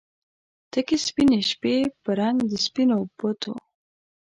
تکې سپینې شپې په رنګ د سپینو بتو